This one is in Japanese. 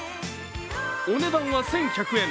お値段は１１００円。